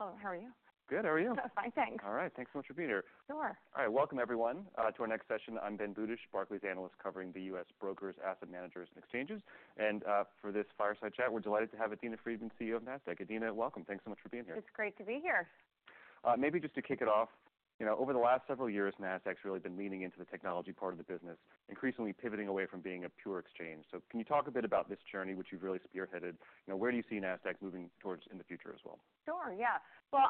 All right. Hello, how are you? Good, how are you? Fine, thanks. All right. Thanks so much for being here. Sure. All right. Welcome everyone to our next session. I'm Ben Budish, Barclays analyst, covering the US brokers, asset managers, and exchanges, and for this fireside chat, we're delighted to have Adena Friedman, CEO of Nasdaq. Adena, welcome. Thanks so much for being here. It's great to be here. Maybe just to kick it off, you know, over the last several years, Nasdaq's really been leaning into the technology part of the business, increasingly pivoting away from being a pure exchange. So can you talk a bit about this journey, which you've really spearheaded? You know, where do you see Nasdaq moving towards in the future as well? Sure, yeah. Well,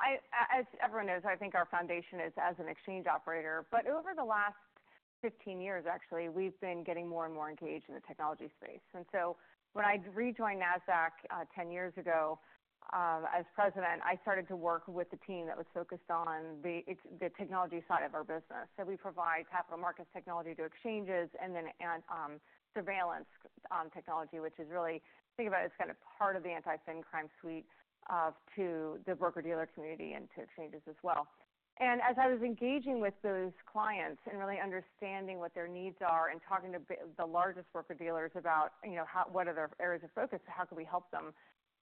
as everyone knows, I think our foundation is as an exchange operator. But over the last 15 years, actually, we've been getting more and more engaged in the technology space. And so when I rejoined Nasdaq 10 years ago as president, I started to work with the team that was focused on the technology side of our business. So we provide capital markets technology to exchanges and then surveillance technology, which is really, think about it as kind of part of the anti-financial crime suite to the broker-dealer community and to exchanges as well. And as I was engaging with those clients and really understanding what their needs are, and talking to the largest broker-dealers about, you know, how, what are their areas of focus? How can we help them?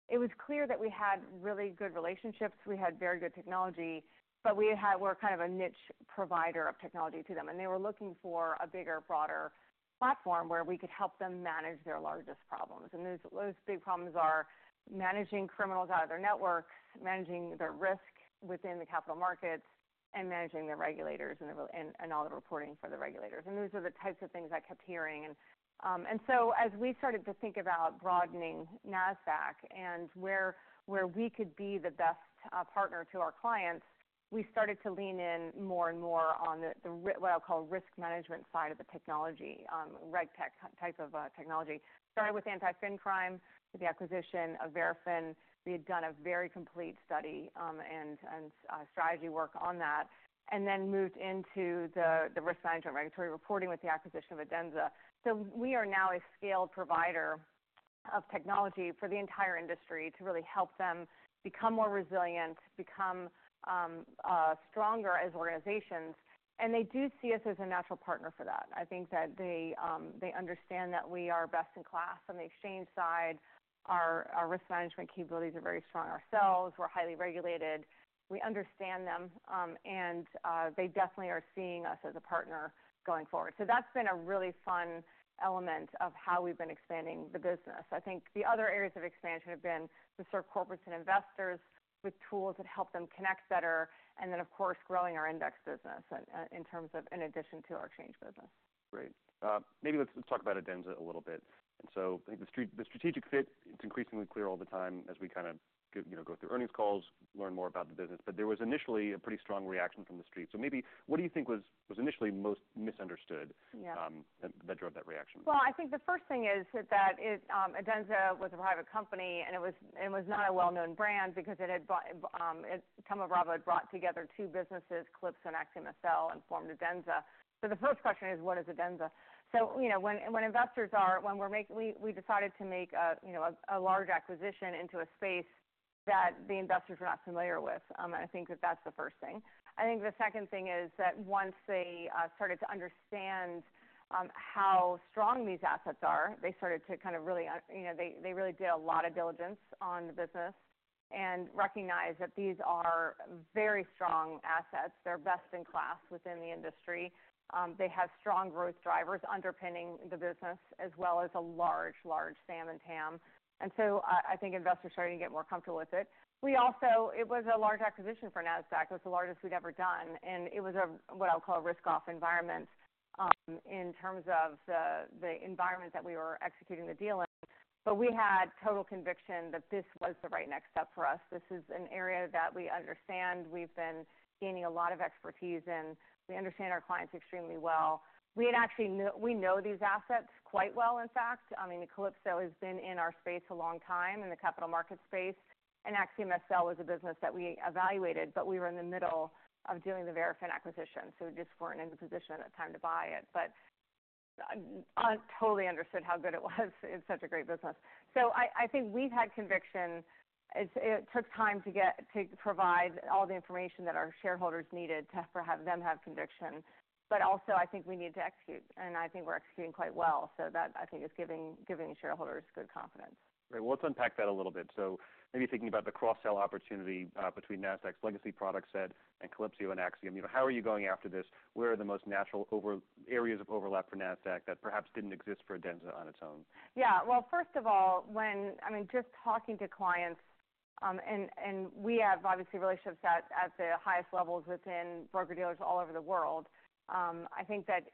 It was clear that we had really good relationships. We had very good technology, but we're kind of a niche provider of technology to them, and they were looking for a bigger, broader platform where we could help them manage their largest problems. Those big problems are managing criminals out of their network, managing their risk within the capital markets, and managing their regulators and all the reporting for the regulators. Those are the types of things I kept hearing. And so as we started to think about broadening Nasdaq and where we could be the best partner to our clients, we started to lean in more and more on what I'll call risk management side of the technology, reg tech type of technology. Started with anti-fin crime, with the acquisition of Verafin. We had done a very complete study, and strategy work on that, and then moved into the risk management regulatory reporting with the acquisition of Adenza. So we are now a scaled provider of technology for the entire industry to really help them become more resilient, become stronger as organizations, and they do see us as a natural partner for that. I think that they understand that we are best in class on the exchange side. Our risk management capabilities are very strong ourselves. We're highly regulated. We understand them, and they definitely are seeing us as a partner going forward. So that's been a really fun element of how we've been expanding the business. I think the other areas of expansion have been to serve corporates and investors with tools that help them connect better, and then, of course, growing our index business, in terms of in addition to our exchange business. Great. Maybe let's talk about Adenza a little bit, and so I think the strategic fit, it's increasingly clear all the time as we kind of give... You know, go through earnings calls, learn more about the business, but there was initially a pretty strong reaction from the street, so maybe what do you think was initially most misunderstood? Yeah. that drove that reaction? I think the first thing is that Adenza was a private company, and it was not a well-known brand because it had had brought together two businesses, Calypso and AxiomSL, and formed Adenza. So the first question is, what is Adenza? So you know, when we decided to make a, you know, a large acquisition into a space that the investors were not familiar with. And I think that that's the first thing. I think the second thing is that once they started to understand how strong these assets are, they started to kind of really, they really did a lot of diligence on the business and recognized that these are very strong assets. They're best in class within the industry. They have strong growth drivers underpinning the business, as well as a large, large SAM and TAM, and so I think investors are starting to get more comfortable with it. It was a large acquisition for Nasdaq. It's the largest we'd ever done, and it was a what I'll call a risk off environment in terms of the environment that we were executing the deal in, but we had total conviction that this was the right next step for us. This is an area that we understand. We've been gaining a lot of expertise in. We understand our clients extremely well. We had actually we know these assets quite well, in fact. I mean, Calypso has been in our space a long time, in the capital market space, and AxiomSL was a business that we evaluated, but we were in the middle of doing the Verafin acquisition, so we just weren't in the position at the time to buy it. But I totally understood how good it was. It's such a great business. So I think we've had conviction. It took time to provide all the information that our shareholders needed to have them have conviction. But also, I think we need to execute, and I think we're executing quite well. So that, I think, is giving shareholders good confidence. Great. Well, let's unpack that a little bit. So maybe thinking about the cross-sell opportunity between Nasdaq's legacy product set and Calypso and Axiom. You know, how are you going after this? Where are the most natural overlap areas of overlap for Nasdaq that perhaps didn't exist for Adenza on its own? Yeah. Well, first of all, when I mean, just talking to clients, and we have obviously relationships at the highest levels within broker-dealers all over the world. I think that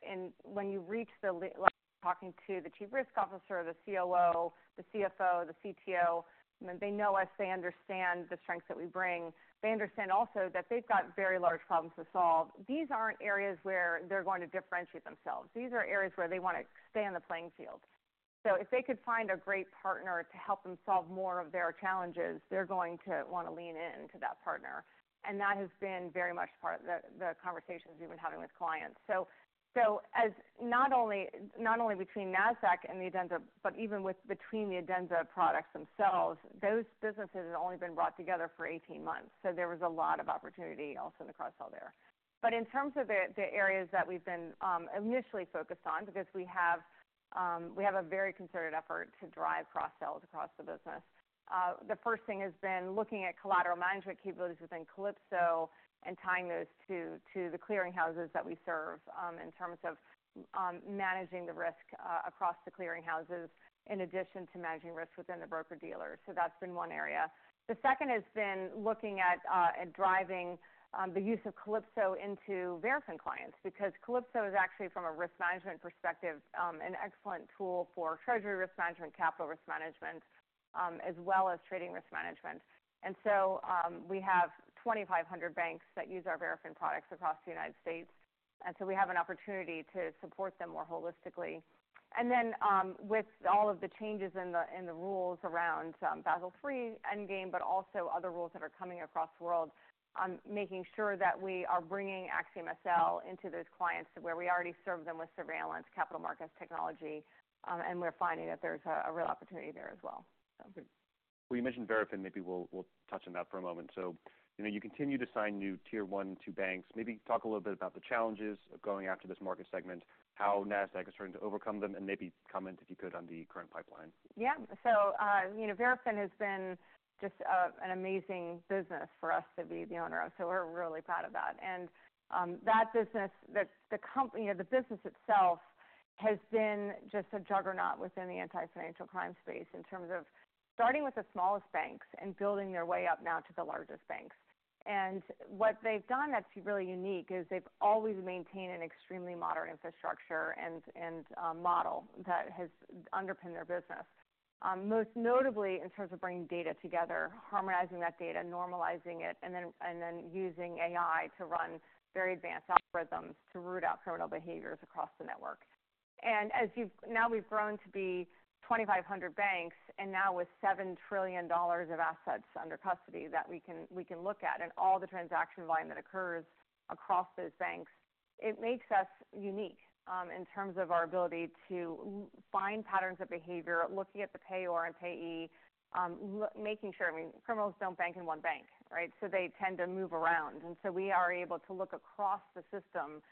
when you reach the level talking to the Chief Risk Officer, the COO, the CFO, the CTO, and they know us, they understand the strengths that we bring. They understand also that they've got very large problems to solve. These aren't areas where they're going to differentiate themselves. These are areas where they wanna stay on the playing field. So if they could find a great partner to help them solve more of their challenges, they're going to wanna lean in to that partner, and that has been very much part of the conversations we've been having with clients. So as not only between Nasdaq and the Adenza, but even between the Adenza products themselves, those businesses have only been brought together for eighteen months, so there was a lot of opportunity also to cross-sell there. But in terms of the areas that we've been initially focused on, because we have a very concerted effort to drive cross-sells across the business. The first thing has been looking at collateral management capabilities within Calypso and tying those to the clearinghouses that we serve, in terms of managing the risk across the clearinghouses, in addition to managing risk within the broker-dealer. So that's been one area. The second has been looking at driving the use of Calypso into Verafin clients, because Calypso is actually, from a risk management perspective, an excellent tool for treasury risk management, capital risk management, as well as trading risk management. And so, we have 2,500 banks that use our Verafin products across the United States, and so we have an opportunity to support them more holistically. And then, with all of the changes in the rules around Basel III Endgame, but also other rules that are coming across the world, making sure that we are bringing AxiomSL into those clients where we already serve them with surveillance, capital markets, technology, and we're finding that there's a real opportunity there as well. Okay. Well, you mentioned Verafin, maybe we'll touch on that for a moment. So you know, you continue to sign new Tier I and II banks. Maybe talk a little bit about the challenges of going after this market segment, how Nasdaq is starting to overcome them, and maybe comment, if you could, on the current pipeline. Yeah. So, you know, Verafin has been just an amazing business for us to be the owner of, so we're really proud of that. And that business, the company, the business itself has been just a juggernaut within the anti-financial crime space, in terms of starting with the smallest banks and building their way up now to the largest banks. And what they've done that's really unique is they've always maintained an extremely modern infrastructure and model that has underpinned their business. Most notably, in terms of bringing data together, harmonizing that data, normalizing it, and then using AI to run very advanced algorithms to root out criminal behaviors across the network. Now we've grown to be 2,500 banks, and now with $7 trillion of assets under custody that we can look at, and all the transaction volume that occurs across those banks. It makes us unique in terms of our ability to find patterns of behavior, looking at the payer and payee, making sure. I mean, criminals don't bank in one bank, right? So they tend to move around, and so we are able to look across the system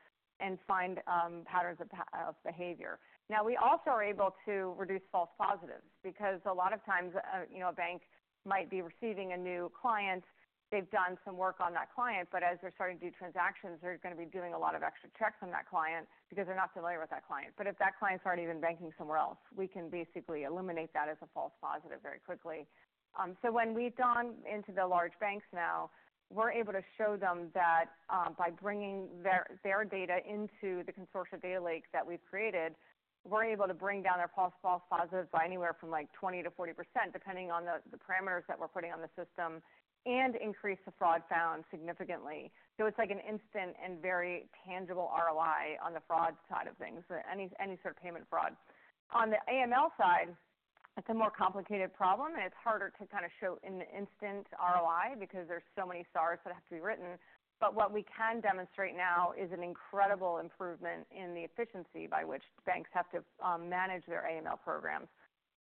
and find patterns of behavior. Now, we also are able to reduce false positives, because a lot of times, you know, a bank might be receiving a new client. They've done some work on that client, but as they're starting to do transactions, they're gonna be doing a lot of extra checks on that client because they're not familiar with that client, but if that client's already been banking somewhere else, we can basically eliminate that as a false positive very quickly, so when we've gone into the large banks now, we're able to show them that, by bringing their data into the consortia data lakes that we've created, we're able to bring down their false positives by anywhere from, like, 20%-40%, depending on the parameters that we're putting on the system, and increase the fraud found significantly. So it's like an instant and very tangible ROI on the fraud side of things, so any sort of payment fraud. On the AML side, it's a more complicated problem, and it's harder to kind of show an instant ROI because there's so many SARs that have to be written. But what we can demonstrate now is an incredible improvement in the efficiency by which banks have to manage their AML programs.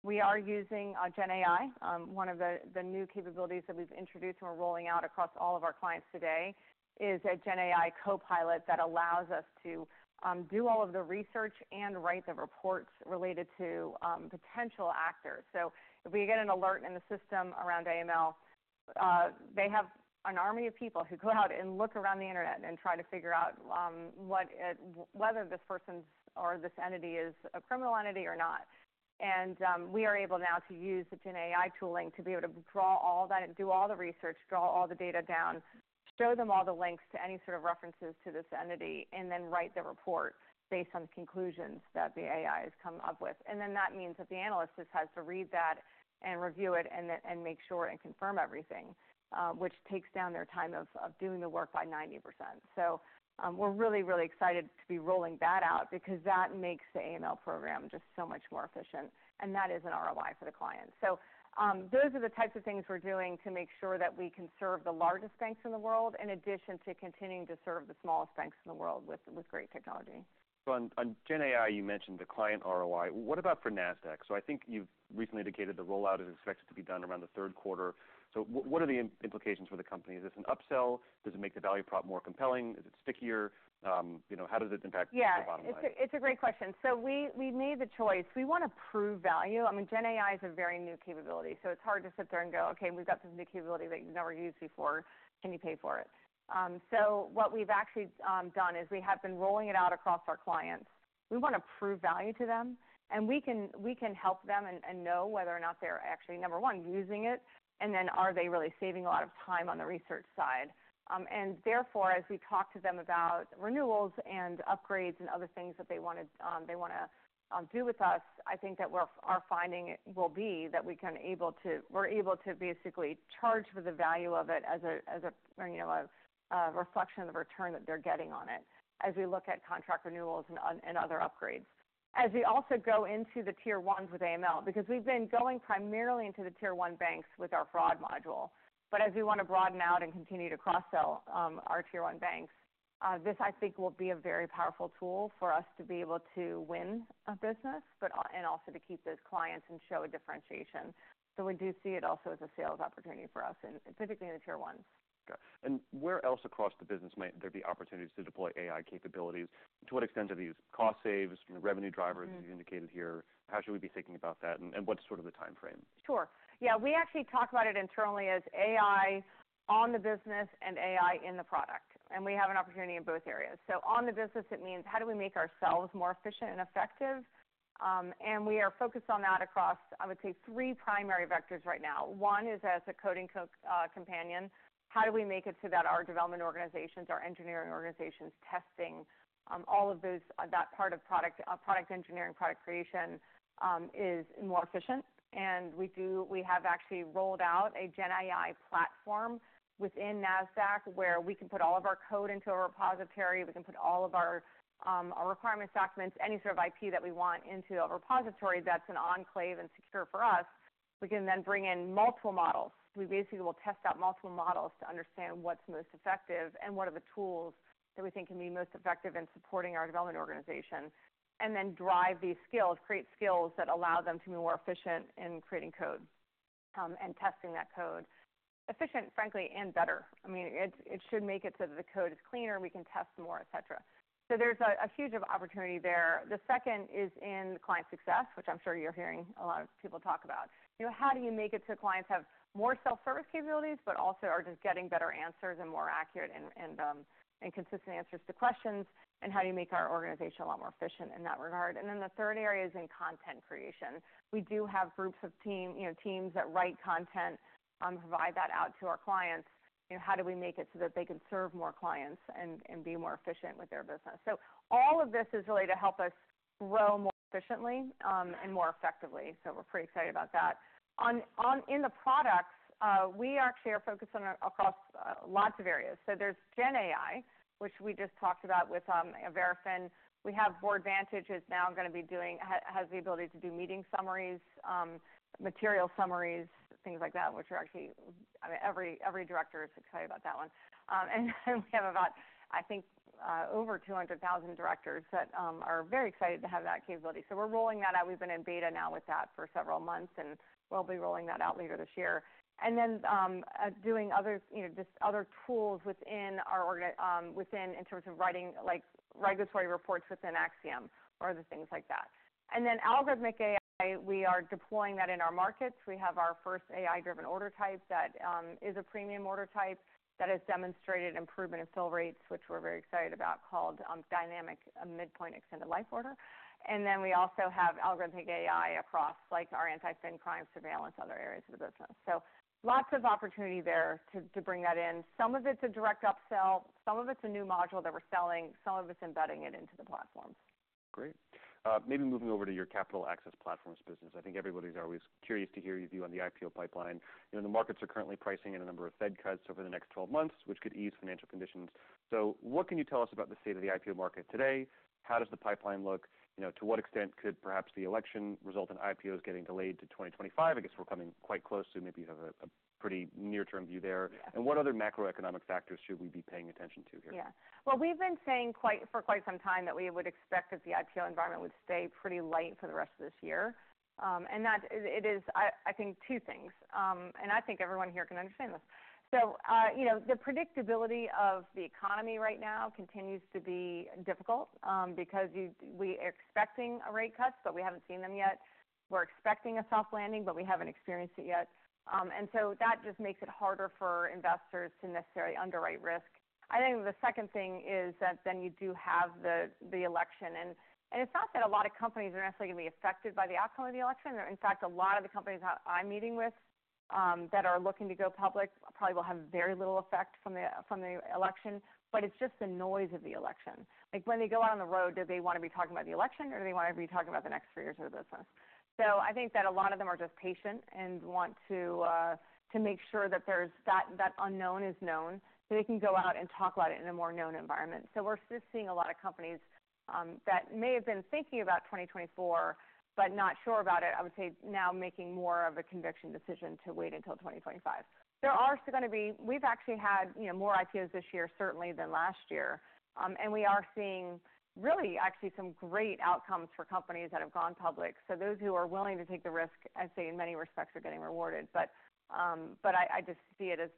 We are using GenAI. One of the new capabilities that we've introduced and we're rolling out across all of our clients today is a GenAI copilot that allows us to do all of the research and write the reports related to potential actors. So if we get an alert in the system around AML, they have an army of people who go out and look around the internet and try to figure out whether this person or this entity is a criminal entity or not. We are able now to use the GenAI tooling to be able to draw all that and do all the research, draw all the data down, show them all the links to any sort of references to this entity, and then write the report based on the conclusions that the AI has come up with. Then that means that the analyst just has to read that and review it, and then make sure and confirm everything, which takes down their time of doing the work by 90%. We're really, really excited to be rolling that out because that makes the AML program just so much more efficient, and that is an ROI for the client. Those are the types of things we're doing to make sure that we can serve the largest banks in the world, in addition to continuing to serve the smallest banks in the world with great technology. So on GenAI, you mentioned the client ROI. What about for Nasdaq? So I think you've recently indicated the rollout is expected to be done around the third quarter. So what are the implications for the company? Is this an upsell? Does it make the value prop more compelling? Is it stickier? You know, how does it impact- Yeah. The bottom line? It's a great question. So we made the choice. We wanna prove value. I mean, GenAI is a very new capability, so it's hard to sit there and go: Okay, we've got this new capability that you've never used before. Can you pay for it? So what we've actually done is we have been rolling it out across our clients. We wanna prove value to them, and we can help them and know whether or not they're actually, number one, using it, and then are they really saving a lot of time on the research side? Therefore, as we talk to them about renewals and upgrades and other things that they wanna do with us, I think that what our finding will be, that we're able to basically charge for the value of it as a, you know, a reflection of the return that they're getting on it, as we look at contract renewals and other upgrades. As we also go into the Tier 1's with AML, because we've been going primarily into the Tier 1 banks with our fraud module, but as we wanna broaden out and continue to cross-sell our Tier 1 banks, this, I think, will be a very powerful tool for us to be able to win a business and also to keep those clients and show a differentiation. So we do see it also as a sales opportunity for us, and specifically in the Tier I. Got it. And where else across the business might there be opportunities to deploy AI capabilities? To what extent are these cost saves, revenue drivers- Mm-hmm. As you indicated here, how should we be thinking about that, and what's sort of the timeframe? Sure. Yeah, we actually talk about it internally as AI on the business and AI in the product, and we have an opportunity in both areas. So on the business it means: How do we make ourselves more efficient and effective? And we are focused on that across, I would say, three primary vectors right now. One is as a coding companion. How do we make it so that our development organizations, our engineering organizations, testing, all of those, that part of product, product engineering, product creation, is more efficient? And we have actually rolled out a Gen AI platform within Nasdaq, where we can put all of our code into a repository. We can put all of our, our requirement documents, any sort of IP that we want into a repository that's an enclave and secure for us. We can then bring in multiple models. We basically will test out multiple models to understand what's most effective, and what are the tools that we think can be most effective in supporting our development organization. Then drive these skills, create skills that allow them to be more efficient in creating code, and testing that code. Efficient, frankly, and better. I mean, it should make it so that the code is cleaner, we can test more, et cetera. So there's a huge opportunity there. The second is in client success, which I'm sure you're hearing a lot of people talk about. You know, how do you make it so clients have more self-service capabilities, but also are just getting better answers and more accurate and consistent answers to questions? How do you make our organization a lot more efficient in that regard? The third area is in content creation. We do have groups of teams that write content, provide that out to our clients. You know, how do we make it so that they can serve more clients and be more efficient with their business? All of this is really to help us grow more efficiently and more effectively, so we're pretty excited about that. In the products, we actually are focused across lots of areas. There's Gen AI, which we just talked about with Verafin. We have Boardvantage is now gonna be doing... Has the ability to do meeting summaries, material summaries, things like that, which are actually, I mean, every director is excited about that one. And we have about, I think, over two hundred thousand directors that are very excited to have that capability. So we're rolling that out. We've been in beta now with that for several months, and we'll be rolling that out later this year. And then, doing other, you know, just other tools within our org, within, in terms of writing, like, regulatory reports within Axiom or other things like that. And then algorithmic AI, we are deploying that in our markets. We have our first AI-driven order type that is a premium order type, that has demonstrated improvement in fill rates, which we're very excited about, called Dynamic Midpoint Extended Life Order. And then we also have algorithmic AI across, like, our anti-financial crime surveillance, other areas of the business. So lots of opportunity there to bring that in. Some of it's a direct upsell, some of it's a new module that we're selling, some of it's embedding it into the platforms. Great. Maybe moving over to your Capital Access Platforms business, I think everybody's always curious to hear your view on the IPO pipeline. You know, the markets are currently pricing in a number of Fed cuts over the next twelve months, which could ease financial conditions. So what can you tell us about the state of the IPO market today? How does the pipeline look? You know, to what extent could perhaps the election result in IPOs getting delayed to 2025? I guess we're coming quite close, so maybe you have a pretty near-term view there. Yeah. What other macroeconomic factors should we be paying attention to here? Yeah, well, we've been saying for quite some time that we would expect that the IPO environment would stay pretty light for the rest of this year, and that it is, I think, two things. I think everyone here can understand this, so you know, the predictability of the economy right now continues to be difficult because we are expecting a rate cut, but we haven't seen them yet. We're expecting a soft landing, but we haven't experienced it yet, and so that just makes it harder for investors to necessarily underwrite risk. I think the second thing is that then you do have the election, and it's not that a lot of companies are necessarily going to be affected by the outcome of the election. In fact, a lot of the companies I'm meeting with that are looking to go public probably will have very little effect from the election, but it's just the noise of the election. Like, when they go out on the road, do they wanna be talking about the election, or do they wanna be talking about the next three years of their business? So I think that a lot of them are just patient and want to make sure that there's that unknown is known, so they can go out and talk about it in a more known environment. So we're still seeing a lot of companies that may have been thinking about 2024, but not sure about it. I would say now making more of a conviction decision to wait until 2025. There are still gonna be. We've actually had, you know, more IPOs this year, certainly, than last year, and we are seeing really, actually some great outcomes for companies that have gone public, so those who are willing to take the risk, I'd say, in many respects, are getting rewarded, but I just see it as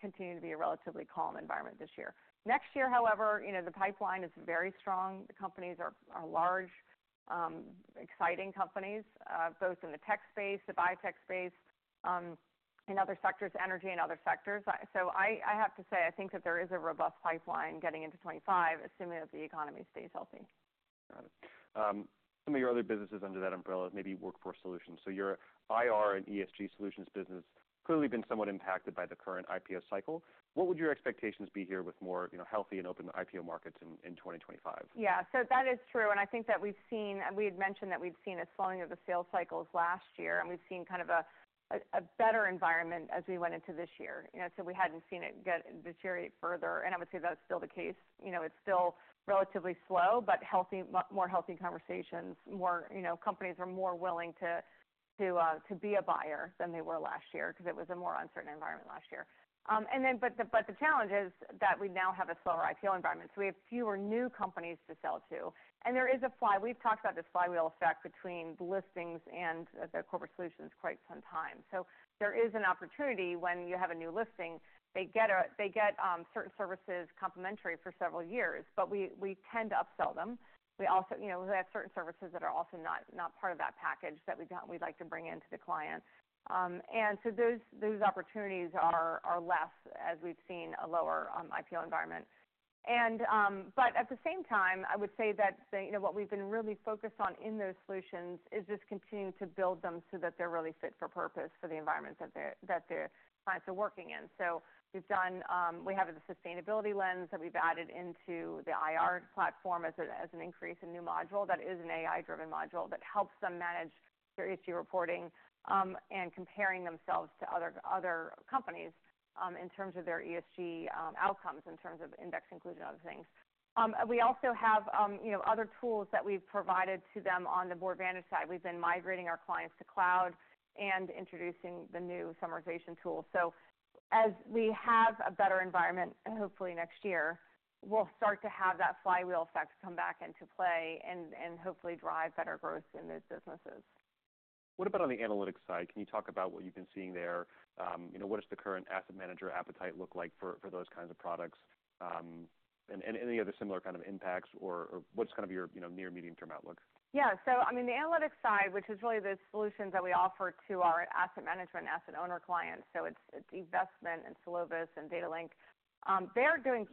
continuing to be a relatively calm environment this year. Next year, however, you know, the pipeline is very strong. The companies are large, exciting companies, both in the tech space, the biotech space, in other sectors, energy and other sectors, so I have to say, I think that there is a robust pipeline getting into 2025, assuming that the economy stays healthy. Got it. Some of your other businesses under that umbrella, maybe Workforce Solutions. So your IR and ESG Solutions business clearly been somewhat impacted by the current IPO cycle. What would your expectations be here with more, you know, healthy and open IPO markets in 2025? Yeah. So that is true, and I think that we've seen. We had mentioned that we'd seen a slowing of the sales cycles last year, and we've seen kind of a better environment as we went into this year. You know, so we hadn't seen it get deteriorate further, and I would say that's still the case. You know, it's still relatively slow, but healthy, more healthy conversations. More, you know, companies are more willing to be a buyer than they were last year, 'cause it was a more uncertain environment last year. And then but the challenge is that we now have a slower IPO environment, so we have fewer new companies to sell to, and there is a flywheel effect between the listings and the corporate solutions quite some time. So there is an opportunity when you have a new listing. They get certain services complimentary for several years, but we tend to upsell them. We also, you know, have certain services that are also not part of that package that we'd like to bring into the client. And so those opportunities are less as we've seen a lower IPO environment. But at the same time, I would say that, you know, what we've been really focused on in those solutions is just continuing to build them so that they're really fit for purpose for the environment that the clients are working in. We've done. We have a sustainability lens that we've added into the IR platform as an increase, a new module that is an AI-driven module that helps them manage their ESG reporting and comparing themselves to other companies in terms of their ESG outcomes, in terms of index inclusion, other things. We also have, you know, other tools that we've provided to them on the Boardvantage side. We've been migrating our clients to cloud and introducing the new summarization tool. As we have a better environment, and hopefully next year, we'll start to have that flywheel effect come back into play and hopefully drive better growth in those businesses. What about on the analytics side? Can you talk about what you've been seeing there? You know, what does the current asset manager appetite look like for those kinds of products? And any other similar kind of impacts, or what's kind of your, you know, near medium-term outlook? Yeah. So I mean, the analytics side, which is really the solutions that we offer to our asset management, asset owner clients, so it's eVestment and Solovis and Data Link. They're doing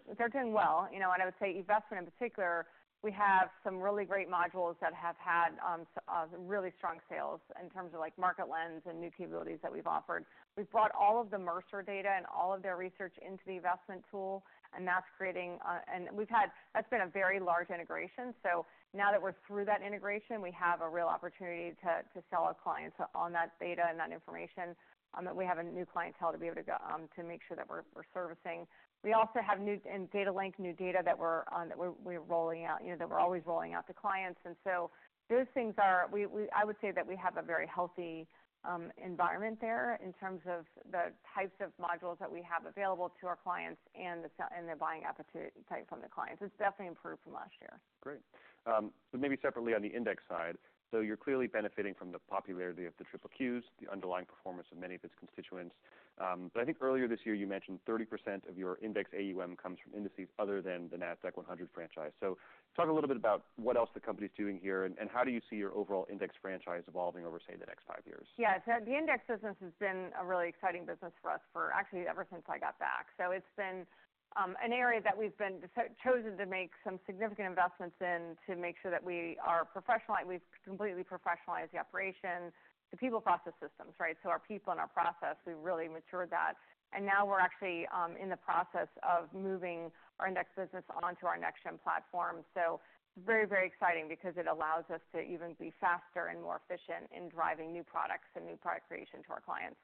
well, you know, and I would say eVestment in particular, we have some really great modules that have had really strong sales in terms of, like, Market Lens and new capabilities that we've offered. We've brought all of the Mercer data and all of their research into the eVestment tool, and that's creating. That's been a very large integration, so now that we're through that integration, we have a real opportunity to sell our clients on that data and that information, that we have a new clientele to be able to go to make sure that we're servicing. We also have new and Data Link new data that we're rolling out, you know, that we're always rolling out to clients. And so those things are. I would say that we have a very healthy environment there in terms of the types of modules that we have available to our clients and the buying appetite from the clients. It's definitely improved from last year. Great. So maybe separately on the index side, so you're clearly benefiting from the popularity of the Triple Qs, the underlying performance of many of its constituents. But I think earlier this year, you mentioned 30% of your index AUM comes from indices other than the Nasdaq-100 franchise. So talk a little bit about what else the company's doing here, and how do you see your overall index franchise evolving over, say, the next five years? Yeah. So the index business has been a really exciting business for us for—actually, ever since I got back. So it's been an area that we've been chosen to make some significant investments in to make sure that we are professionalized. We've completely professionalized the operations, the people, process, systems, right? So our people and our process, we've really matured that. And now we're actually in the process of moving our index business onto our NextGen platform. So very, very exciting because it allows us to even be faster and more efficient in driving new products and new product creation to our clients.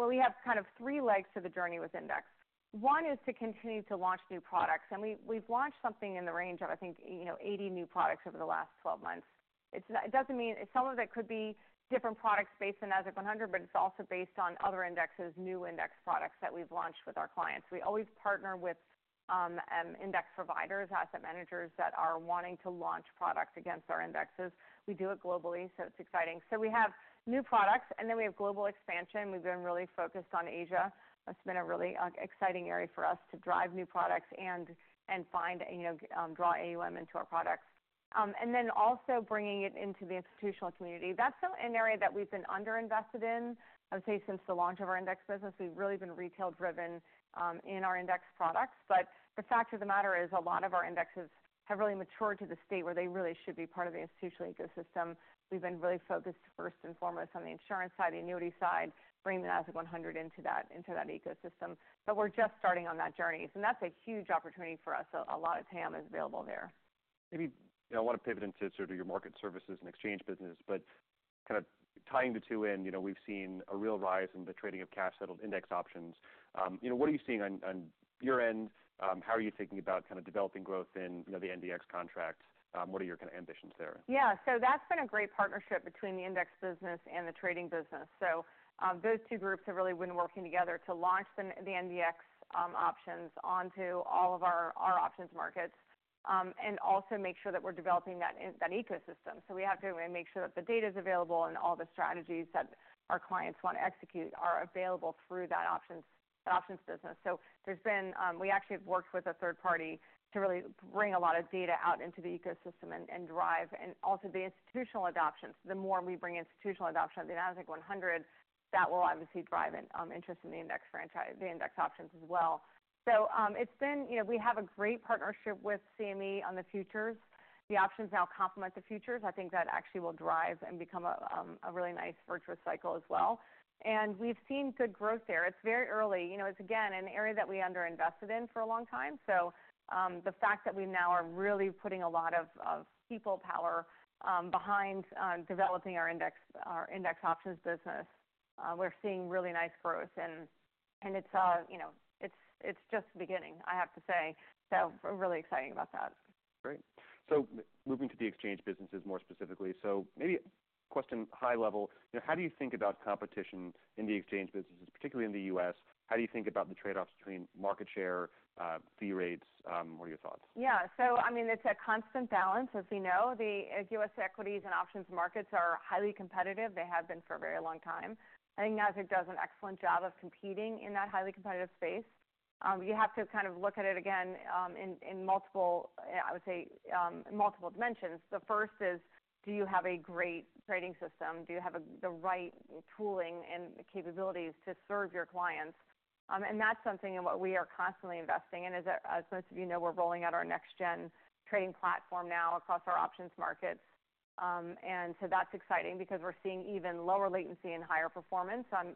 Well, we have kind of three legs to the journey with index. One is to continue to launch new products, and we've launched something in the range of, I think, you know, 80 new products over the last 12 months. It's not. It doesn't mean. Some of it could be different products based on Nasdaq-100, but it's also based on other indexes, new index products that we've launched with our clients. We always partner with index providers, asset managers that are wanting to launch products against our indexes. We do it globally, so it's exciting. So we have new products, and then we have global expansion. We've been really focused on Asia. That's been a really exciting area for us to drive new products and find, you know, draw AUM into our products. And then also bringing it into the institutional community. That's still an area that we've been underinvested in. I would say since the launch of our index business, we've really been retail-driven in our index products. But the fact of the matter is, a lot of our indexes have really matured to the state where they really should be part of the institutional ecosystem. We've been really focused, first and foremost, on the insurance side, the annuity side, bringing the Nasdaq-100 into that, into that ecosystem. But we're just starting on that journey, so that's a huge opportunity for us. A lot of TAM is available there. Maybe, you know, I want to pivot into sort of your Market Services and Exchange business, but kind of tying the two in, you know, we've seen a real rise in the trading of cash-settled index options. You know, what are you seeing on your end? How are you thinking about kind of developing growth in, you know, the NDX contracts? What are your kind of ambitions there? Yeah, so that's been a great partnership between the Index business and the Trading business. So, those two groups have really been working together to launch the NDX options onto all of our options markets, and also make sure that we're developing that ecosystem. So we have to make sure that the data's available and all the strategies that our clients want to execute are available through that options business. So there's been, we actually have worked with a third party to really bring a lot of data out into the ecosystem and drive and also the institutional adoptions. The more we bring institutional adoption of the Nasdaq-100, that will obviously drive in interest in the index franchise, the index options as well. So, it's been... You know, we have a great partnership with CME on the futures. The options now complement the futures. I think that actually will drive and become a really nice virtuous cycle as well, and we've seen good growth there. It's very early. You know, it's again an area that we underinvested in for a long time. So, the fact that we now are really putting a lot of people power behind developing our index options business, we're seeing really nice growth and it's, you know, it's just the beginning, I have to say, so we're really excited about that.... Great. So moving to the exchange businesses more specifically. So maybe a question, high level, you know, how do you think about competition in the exchange businesses, particularly in the U.S.? How do you think about the trade-offs between market share, fee rates? What are your thoughts? Yeah. So I mean, it's a constant balance. As you know, the US equities and options markets are highly competitive. They have been for a very long time. I think Nasdaq does an excellent job of competing in that highly competitive space. You have to kind of look at it again in multiple dimensions. The first is: do you have a great trading system? Do you have the right tooling and capabilities to serve your clients? And that's something in what we are constantly investing in. As most of you know, we're rolling out our NextGen trading platform now across our options markets. And so that's exciting because we're seeing even lower latency and higher performance and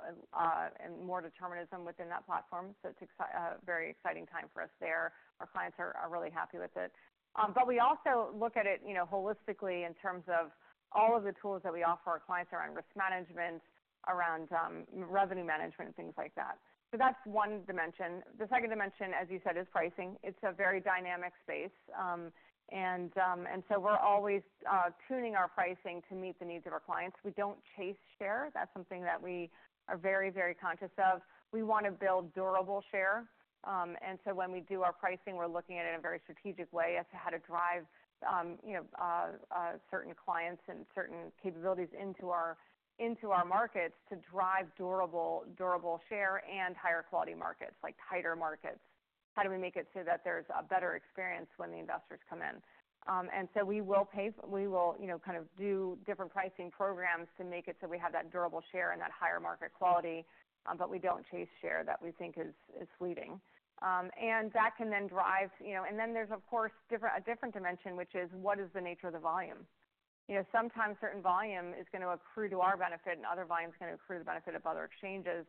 more determinism within that platform. So it's a very exciting time for us there. Our clients are really happy with it. But we also look at it, you know, holistically in terms of all of the tools that we offer our clients around risk management, around revenue management, and things like that. So that's one dimension. The second dimension, as you said, is pricing. It's a very dynamic space, and so we're always tuning our pricing to meet the needs of our clients. We don't chase share. That's something that we are very, very conscious of. We wanna build durable share. And so when we do our pricing, we're looking at it in a very strategic way as to how to drive you know certain clients and certain capabilities into our markets to drive durable share and higher quality markets, like tighter markets. How do we make it so that there's a better experience when the investors come in? And so we will pay. We will, you know, kind of do different pricing programs to make it so we have that durable share and that higher market quality, but we don't chase share that we think is fleeting. And that can then drive, you know. And then there's, of course, a different dimension, which is: what is the nature of the volume? You know, sometimes certain volume is gonna accrue to our benefit, and other volumes are gonna accrue to the benefit of other exchanges.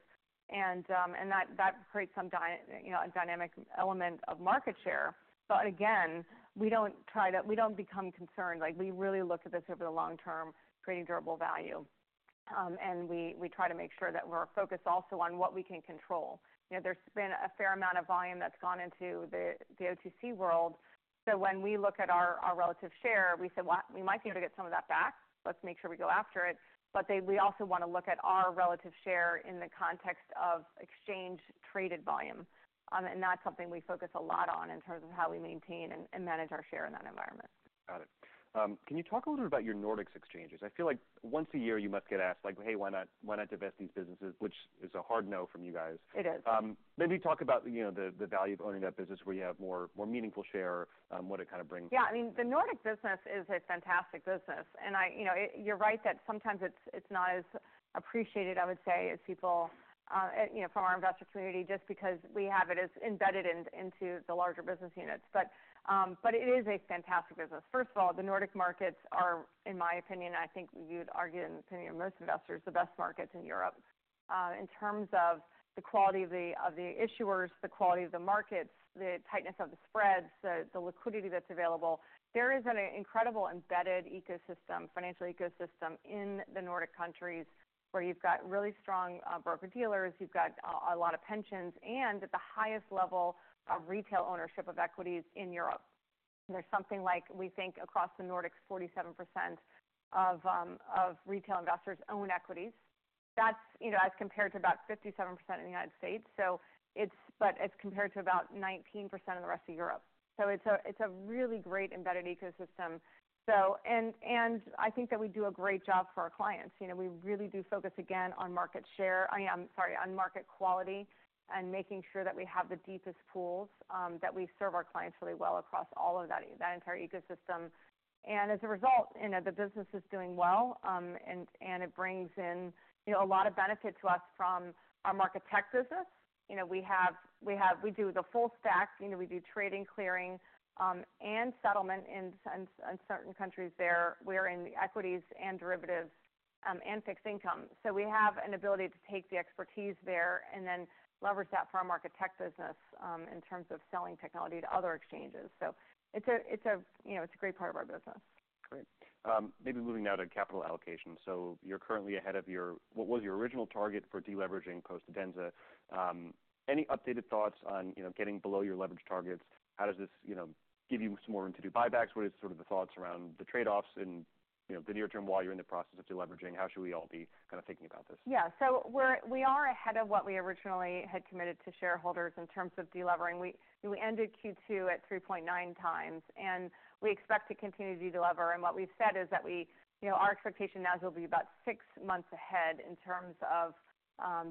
And, and that creates some dynamic element of market share. But again, we don't try to. We don't become concerned. Like, we really look at this over the long term, creating durable value. And we try to make sure that we're focused also on what we can control. You know, there's been a fair amount of volume that's gone into the OTC world. So when we look at our relative share, we say, "Well, we might be able to get some of that back. Let's make sure we go after it." But we also wanna look at our relative share in the context of exchange traded volume, and that's something we focus a lot on in terms of how we maintain and manage our share in that environment. Got it. Can you talk a little bit about your Nordics exchanges? I feel like once a year, you must get asked like: "Hey, why not, why not divest these businesses?" Which is a hard no from you guys. It is. Maybe talk about, you know, the value of owning that business where you have more meaningful share, what it kind of brings. Yeah. I mean, the Nordic business is a fantastic business, and you know, you're right that sometimes it's not as appreciated, I would say, as people you know from our investor community, just because we have it as embedded in, into the larger business units. But it is a fantastic business. First of all, the Nordic markets are, in my opinion, I think you'd argue, and the opinion of most investors, the best markets in Europe. In terms of the quality of the issuers, the quality of the markets, the tightness of the spreads, the liquidity that's available. There is an incredible embedded ecosystem, financial ecosystem in the Nordic countries, where you've got really strong broker-dealers, you've got a lot of pensions, and at the highest level, a retail ownership of equities in Europe. There's something like, we think, across the Nordics, 47% of retail investors own equities. That's, you know, as compared to about 57% in the United States, so it's but it's compared to about 19% in the rest of Europe. So it's a really great embedded ecosystem. And I think that we do a great job for our clients. You know, we really do focus again on market share. I, sorry, on market quality and making sure that we have the deepest pools that we serve our clients really well across all of that entire ecosystem. And as a result, you know, the business is doing well, and it brings in, you know, a lot of benefit to us from our market tech business. You know, we have. We do the full stack. You know, we do trading, clearing, and settlement in certain countries there, we're in the equities and derivatives, and fixed income, so we have an ability to take the expertise there and then leverage that for our market tech business in terms of selling technology to other exchanges, so you know, it's a great part of our business. Great. Maybe moving now to capital allocation. So you're currently ahead of your, what was your original target for deleveraging post-Adenza? Any updated thoughts on, you know, getting below your leverage targets? How does this, you know, give you some more room to do buybacks? What is sort of the thoughts around the trade-offs in, you know, the near term, while you're in the process of deleveraging? How should we all be kinda thinking about this? Yeah. We are ahead of what we originally had committed to shareholders in terms of delivering. We ended Q2 at three point nine times, and we expect to continue to deliver. And what we've said is that we, you know, our expectation now is we'll be about six months ahead in terms of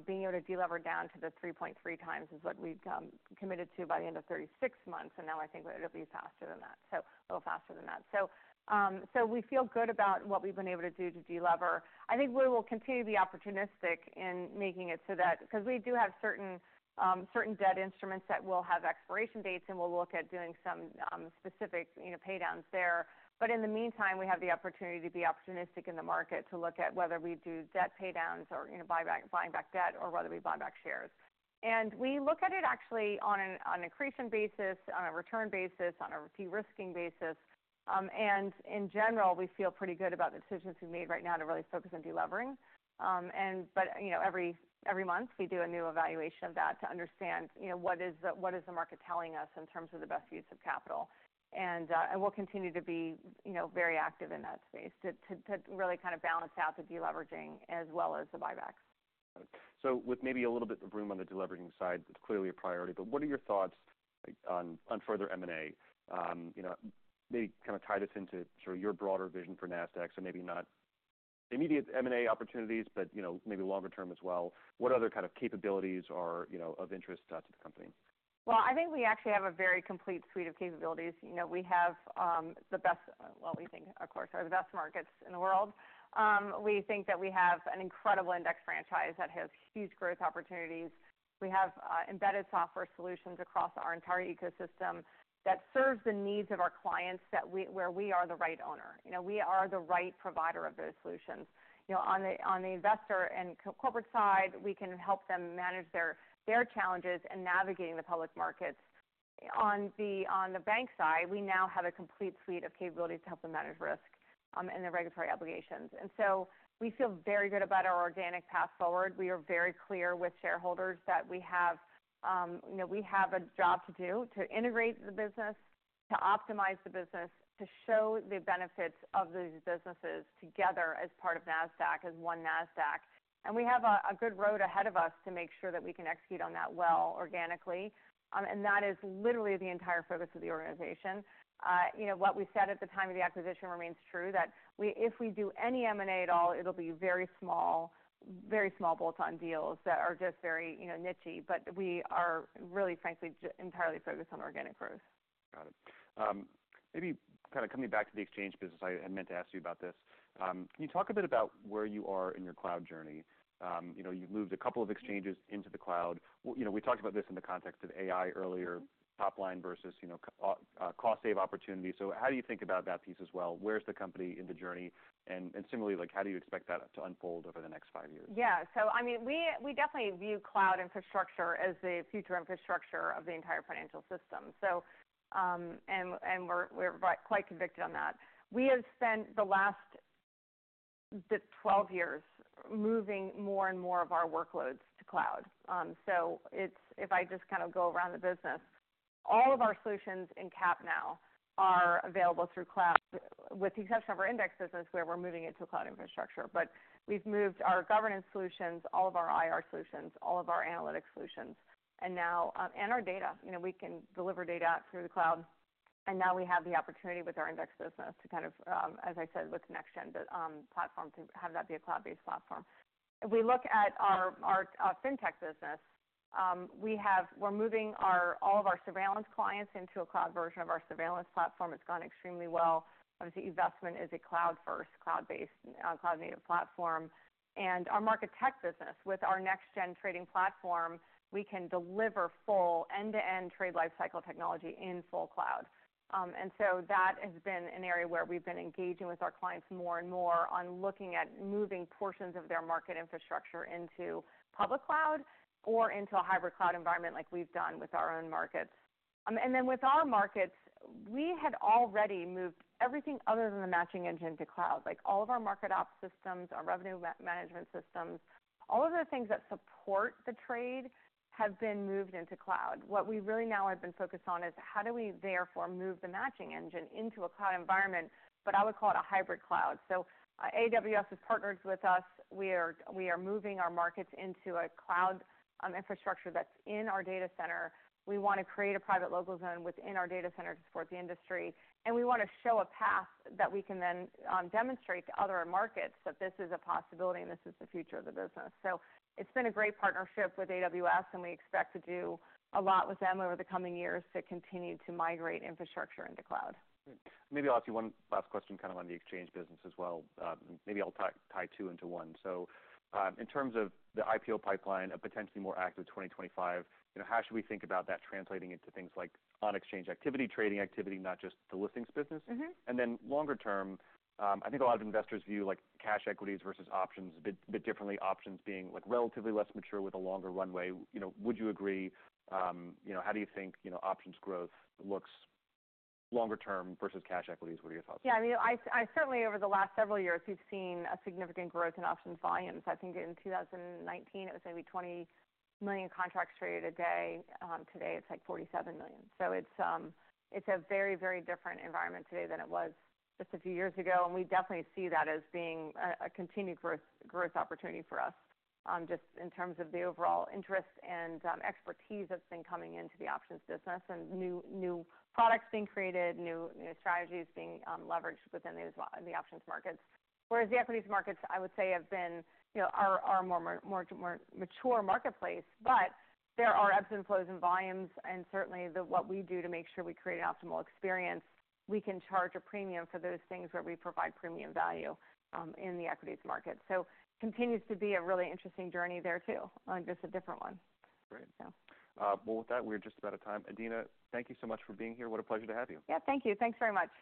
being able to deliver down to the three point three times, is what we've committed to by the end of thirty-six months, and now I think that it'll be faster than that. A little faster than that. We feel good about what we've been able to do to deliver. I think we will continue to be opportunistic in making it so that because we do have certain debt instruments that will have expiration dates, and we'll look at doing some specific, you know, pay downs there. But in the meantime, we have the opportunity to be opportunistic in the market to look at whether we do debt pay downs or, you know, buy back debt or whether we buy back shares. And we look at it actually on an accretion basis, on a return basis, on a de-risking basis... and in general, we feel pretty good about the decisions we've made right now to really focus on delivering. But, you know, every month we do a new evaluation of that to understand, you know, what the market is telling us in terms of the best use of capital? And we'll continue to be, you know, very active in that space, to really kind of balance out the deleveraging as well as the buybacks. So with maybe a little bit of room on the deleveraging side, it's clearly a priority, but what are your thoughts, like, on further M&A? You know, maybe kind of tie this into sort of your broader vision for Nasdaq. So maybe not immediate M&A opportunities, but, you know, maybe longer term as well, what other kind of capabilities are, you know, of interest to the company? Well, I think we actually have a very complete suite of capabilities. You know, we have the best. Well, we think, of course, we are the best markets in the world. We think that we have an incredible index franchise that has huge growth opportunities. We have embedded software solutions across our entire ecosystem that serves the needs of our clients, where we are the right owner. You know, we are the right provider of those solutions. You know, on the investor and corporate side, we can help them manage their challenges in navigating the public markets. On the bank side, we now have a complete suite of capabilities to help them manage risk and their regulatory obligations, and so we feel very good about our organic path forward. We are very clear with shareholders that we have, you know, we have a job to do to integrate the business, to optimize the business, to show the benefits of these businesses together as part of Nasdaq, as one Nasdaq. We have a good road ahead of us to make sure that we can execute on that well organically, and that is literally the entire focus of the organization. You know, what we said at the time of the acquisition remains true, that if we do any M&A at all, it'll be very small, very small bolt-on deals that are just very, you know, nichey, but we are really, frankly, entirely focused on organic growth. Got it. Maybe kind of coming back to the exchange business, I meant to ask you about this. Can you talk a bit about where you are in your cloud journey? You know, you've moved a couple of exchanges into the cloud. Well, you know, we talked about this in the context of AI earlier, top line versus, you know, cost save opportunities. So how do you think about that piece as well? Where's the company in the journey, and similarly, like, how do you expect that to unfold over the next five years? Yeah. So I mean, we definitely view cloud infrastructure as the future infrastructure of the entire financial system. So, and we're quite convicted on that. We have spent the last twelve years moving more and more of our workloads to cloud. So it's. If I just kind of go around the business, all of our solutions in CAP now are available through cloud, with the exception of our index business, where we're moving it to a cloud infrastructure. But we've moved our governance solutions, all of our IR solutions, all of our analytic solutions, and now, and our data. You know, we can deliver data through the cloud, and now we have the opportunity with our index business to kind of, as I said, with next gen, platform, to have that be a cloud-based platform. If we look at our Fintech business, we're moving all of our surveillance clients into a cloud version of our surveillance platform. It's gone extremely well. Obviously, investment is a cloud first, cloud-based, cloud-native platform, and our market tech business. With our next gen trading platform, we can deliver full end-to-end trade life cycle technology in full cloud. And so that has been an area where we've been engaging with our clients more and more on looking at moving portions of their market infrastructure into public cloud or into a hybrid cloud environment, like we've done with our own markets. And then with our markets, we had already moved everything other than the matching engine to cloud. Like, all of our market ops systems, our revenue management systems, all of the things that support the trade have been moved into cloud. What we really now have been focused on is how do we therefore move the matching engine into a cloud environment? But I would call it a hybrid cloud. So, AWS has partnered with us. We are moving our markets into a cloud infrastructure that's in our data center. We wanna create a private local zone within our data center to support the industry, and we wanna show a path that we can then demonstrate to other markets that this is a possibility and this is the future of the business. So it's been a great partnership with AWS, and we expect to do a lot with them over the coming years to continue to migrate infrastructure into cloud. Maybe I'll ask you one last question, kind of on the exchange business as well. Maybe I'll tie two into one. So, in terms of the IPO pipeline, a potentially more active 2025, you know, how should we think about that translating into things like on exchange activity, trading activity, not just the listings business? Mm-hmm. Then longer term, I think a lot of investors view, like, cash equities versus options a bit differently, options being, like, relatively less mature with a longer runway. You know, would you agree? You know, how do you think, you know, options growth looks longer term versus cash equities? What are your thoughts there? Yeah, I mean, I certainly over the last several years, we've seen a significant growth in options volumes. I think in 2019, it was maybe 20 million contracts traded a day. Today, it's like 47 million. So it's a very, very different environment today than it was just a few years ago, and we definitely see that as being a continued growth opportunity for us, just in terms of the overall interest and expertise that's been coming into the options business and new products being created, new strategies being leveraged within the options markets. Whereas the equities markets, I would say, have been, you know, are more mature marketplace, but there are ebbs and flows in volumes. And certainly, what we do to make sure we create an optimal experience, we can charge a premium for those things where we provide premium value, in the equities market. So continues to be a really interesting journey there, too, just a different one. Great. Yeah. Well, with that, we're just about out of time. Adena, thank you so much for being here. What a pleasure to have you. Yeah, thank you. Thanks very much.